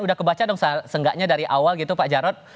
udah kebaca dong seenggaknya dari awal gitu pak jarod